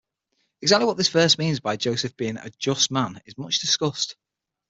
Exactly what this verse means by Joseph being a "just man" is much discussed.